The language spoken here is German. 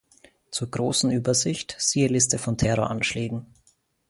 Zur großen Übersicht siehe Liste von Terroranschlägen.